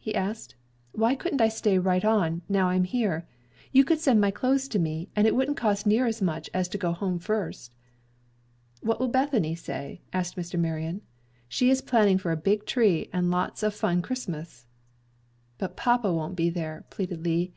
he asked. "Why couldn't I stay right on, now I'm here. You could send my clothes to me, and it wouldn't cost near as much as to go home first." "What will Bethany say?" asked Mr. Marion. "She is planning for a big tree and lots of fun Christmas." "But papa won't be there," pleaded Lee.